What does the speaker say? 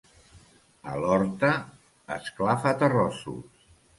A l'Horta, esclafaterrossos.